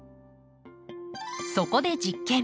そこで実験。